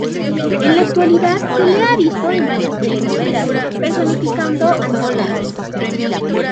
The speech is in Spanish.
En la actualidad se le ha visto en varias telenovelas personificando antagonistas.